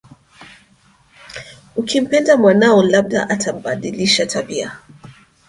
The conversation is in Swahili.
Ukimpenda mwanao labda atabadilisha tabia